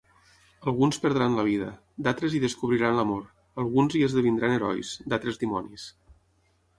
Alguns perdran la vida, d'altres hi descobriran l'amor; alguns hi esdevindran herois, d'altres dimonis.